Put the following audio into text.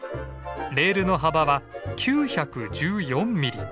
レールの幅は９１４ミリ。